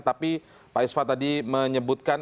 tapi pak isfa tadi menyebutkan